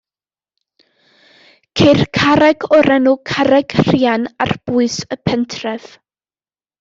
Ceir carreg o'r enw Carreg Rhian ar bwys y pentref.